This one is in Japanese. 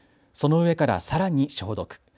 その上からさらに消毒。